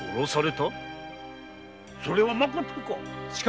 それはまことか？